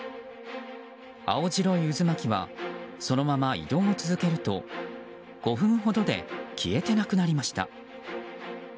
青白い渦巻はそのまま移動を続けると５分ほどで消えてなくなりました。